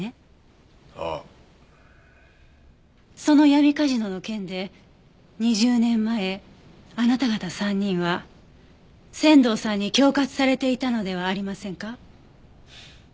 その闇カジノの件で２０年前あなた方３人は仙道さんに恐喝されていたのではありませんか？